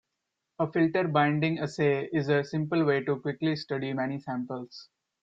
A filter binding assay is a simple way to quickly study many samples.